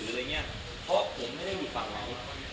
เพราะผมไม่ได้มีฝั่งไหน